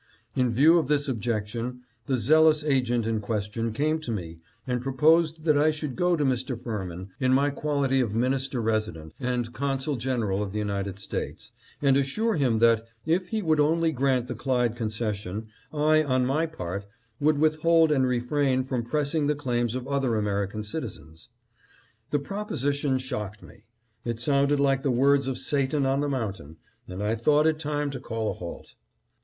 In view of this objection, the zealous agent in question came to me and proposed that I should go to Mr. Firmin, in my quality of Minister Resident and Consul General of the United States, and assure him that, if he would only grant the Clyde concession, I, on my part, would with hold and refrain from pressing the claims of other American citizens. " The proposition shocked me. It sounded like the words of Satan on the mountain, and I thought it time to call a halt.